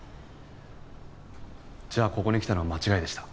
じゃあここに来たのは間違いでした。